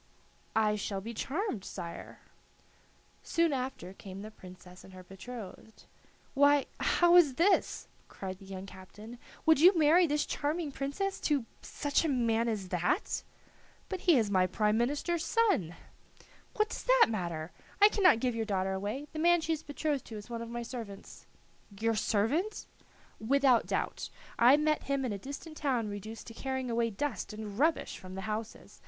"I shall be charmed, sire." Soon after came the Princess and her betrothed. "Why, how is this?" cried the young captain; "would you marry this charming princess to such a man as that?" "But he is my prime minister's son!" "What does that matter? I cannot give your daughter away. The man she is betrothed to is one of my servants." "Your servant?" "Without doubt. I met him in a distant town reduced to carrying away dust and rubbish from the houses.